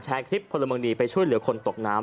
แชร์คลิปผลบังดีไปช่วยเหลือคนตกน้ำ